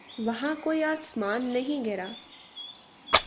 وہاں کوئی آسمان نہیں گرا۔